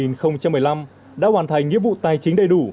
mua nhà từ năm hai nghìn một mươi năm đã hoàn thành nhiệm vụ tài chính đầy đủ